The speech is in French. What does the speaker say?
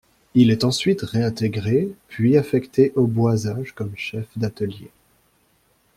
Il est ensuite réintégré, puis affecté au boisage comme chef d'atelier.